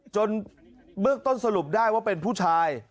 เบื้องต้นสรุปได้ว่าเป็นผู้ชาย